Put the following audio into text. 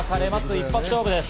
一発勝負です。